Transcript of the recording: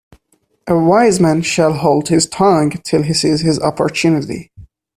A wise man shall hold his tongue till he sees his opportunity.